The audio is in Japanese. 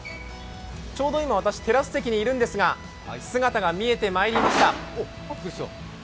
ちょうど今、私、テラス席にいるんですが、姿が見えてまいりました。